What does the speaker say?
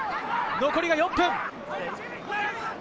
残りが４分。